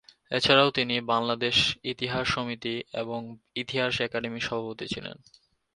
এছাড়াও তিনি বাংলাদেশ ইতিহাস সমিতি এবং ইতিহাস একাডেমির সভাপতি ছিলেন।